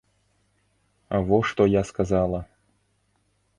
Во што я сказала!